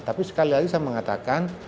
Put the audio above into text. tapi sekali lagi saya mengatakan